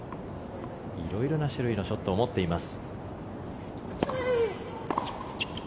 色々な種類のショットを持っています。